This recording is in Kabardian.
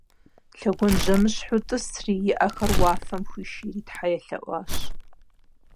Лъэгуажьэмыщхьэу тӀысри и ӏэхэр уафэм хуишийри Тхьэ елъэӏуащ.